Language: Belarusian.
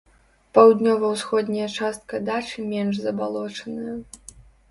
Паўднёва-ўсходняя частка дачы менш забалочаная.